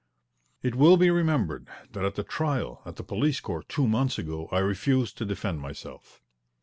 It will be remembered that at the trial at the police court two months ago I refused to defend myself.